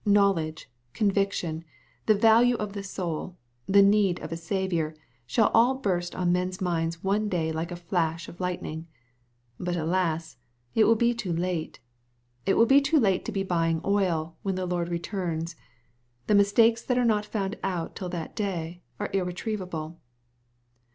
Knowledge, conviction, the value of the soul, the need of a Saviour, shall all burst on men's minds one day like a flash of lightning. But alas ! it will be too late. It will be too late to be buying oil, when the Lord returns. The mistakes that are not found out till that day are irretrievable.